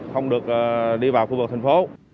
không được đi vào khu vực thành phố